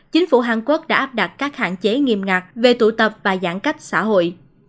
chính phủ hàn quốc đã áp đặt các hạn chế nghiêm ngặt về tụ tập và giãn cách xã hội